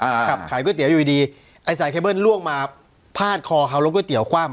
ขับขายก๋วยเตี๋ยวอยู่ดีดีไอ้สายเคเบิ้ลล่วงมาพาดคอเขาแล้วก๋วเตี๋คว่ำ